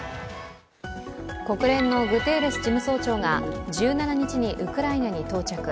国連のグテーレス事務総長が１７日にウクライナに到着。